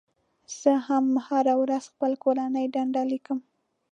زه هم هره ورځ خپله کورنۍ دنده لیکم.